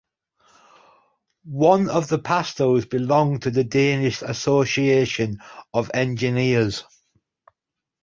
One of the pastels belong to the Danish Association of Engineers.